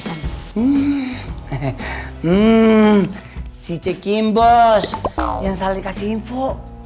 si cekin bos yang saling kasih info